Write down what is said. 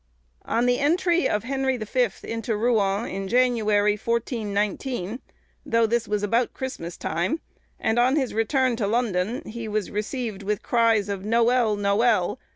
On the entry of Henry the Fifth into Rouen, in January, 1419, though this was about Christmas time, and on his return to London, he was received with cries of "Nowell! nowell!"